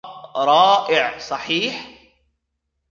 رائع ، صحيح ؟